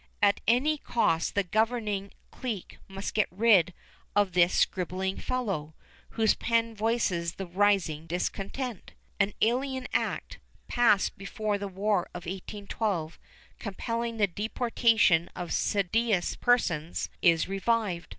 At any cost the governing clique must get rid of this scribbling fellow, whose pen voices the rising discontent. An alien act, passed before the War of 1812, compelling the deportation of seditious persons, is revived.